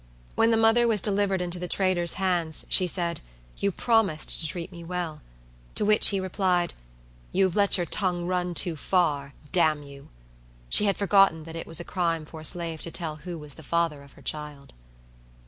When the mother was delivered into the trader's hands, she said. "You promised to treat me well." To which he replied, "You have let your tongue run too far; damn you!" She had forgotten that it was a crime for a slave to tell who was the father of her child.